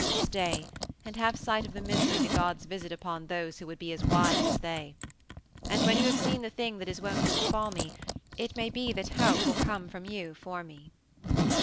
Stay, and have sight of the misery the gods visit upon those who would be as wise as they. And when you have seen the thing that is wont to befall me, it may be that help will come from you for me."